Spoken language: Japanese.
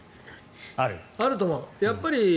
あると思う。